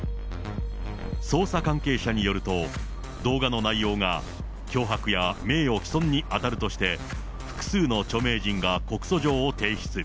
捜査関係者によると、動画の内容が、脅迫や名誉毀損に当たるとして、複数の著名人が告訴状を提出。